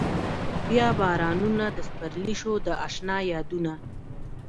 بيا بارانونه د سپرلي شو د اشنا يادونه